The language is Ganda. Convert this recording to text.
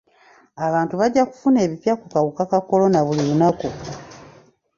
Abantu bajja kufuna ebipya ku kawuka ka kolona buli lunaku.